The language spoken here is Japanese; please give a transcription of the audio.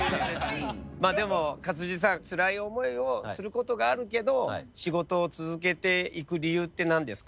まあでも勝地さんつらい思いをすることがあるけど仕事を続けていく理由って何ですか？